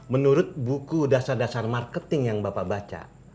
menurut buku dasar dasar marketing yang bapak baca